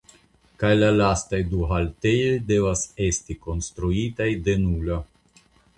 Kaj la lastaj du haltejoj devas esti konstruitaj de nulo.